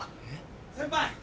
先輩！